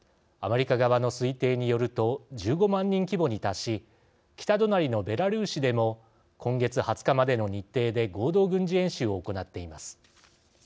アメリカ側の推定によると１５万人規模に達し北隣のベラルーシでも今月２０日までの日程で合同軍事演習を行っています。